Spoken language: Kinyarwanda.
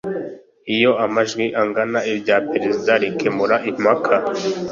Iyo amajwi angana irya Perezida rikemura impaka